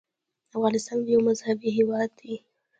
افغانستان یو مذهبي هېواد دی.